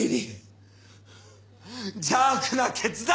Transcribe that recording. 邪悪な決断！